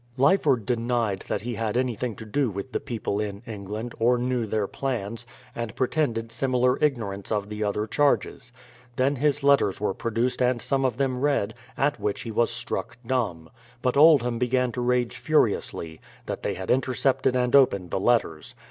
Lyford denied that he had anything to do with the people in England, or knew their plans, and pretended similar ignorance of the other charges. Then his letters were pro duced and some of them read, at which he was struck dumb. But Oldham began to rage furiously, that they had inter cepted and opened the letters.